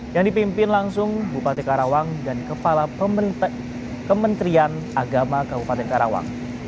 yang dipimpin langsung bupati karawang dan kepala kementerian agama kabupaten karawang